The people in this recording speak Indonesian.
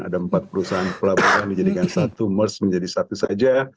ada empat perusahaan pelabuhan dijadikan satu mers menjadi satu saja